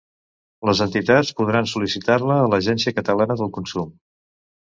Les entitats podran sol·licitar-la a l'Agència Catalana del Consum.